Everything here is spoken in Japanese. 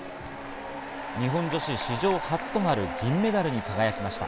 日本女子史上初となる銀メダルに輝きました。